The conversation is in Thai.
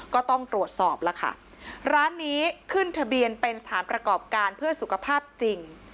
ก็ต้องตรวจสอบแล้วค่ะร้านนี้ขึ้นทะเบียนเป็นสถานประกอบการเพื่อสุขภาพจริง